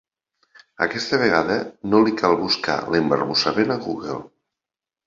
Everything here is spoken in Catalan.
Aquesta vegada no li cal buscar l'embarbussament a Google.